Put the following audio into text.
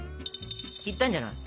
いったんじゃない？